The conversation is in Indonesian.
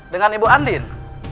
dengan ibu andin